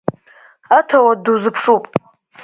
Аҭауад дузыԥшуп.